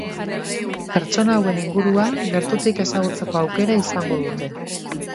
Pertsona hauen ingurua gertutik ezagutzeko aukera izango dute.